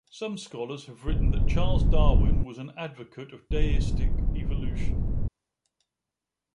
Some scholars have written that Charles Darwin was an advocate of deistic evolution.